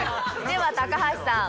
では高橋さん